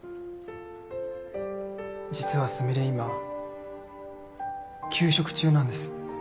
実はすみれ今休職中なんです。